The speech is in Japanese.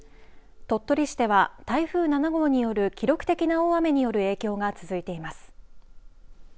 鳥取市では台風７号による記録的な大雨による影響が続いています。